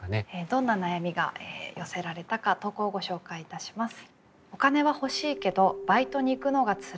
どんな悩みが寄せられたか投稿をご紹介いたします。